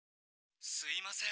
「すいません。